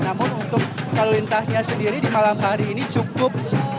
namun untuk lalu lintasnya sendiri di malam hari ini cukup